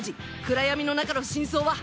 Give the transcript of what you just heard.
暗黒の中の真相は？